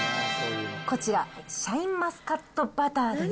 こちら、シャインマスカットバターです。